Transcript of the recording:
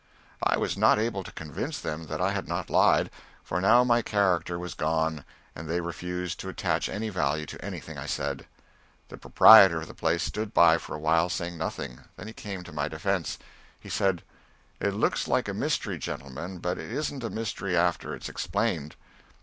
I was not able to convince them that I had not lied, for now my character was gone, and they refused to attach any value to anything I said. The proprietor of the place stood by for a while saying nothing, then he came to my defence. He said: "It looks like a mystery, gentlemen, but it isn't a mystery after it's explained.